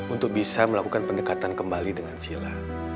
untuk bisa melakukan pendekatan kembali dengan sila